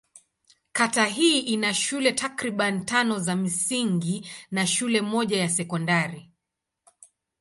Kata hii ina shule takriban tano za msingi na shule moja ya sekondari.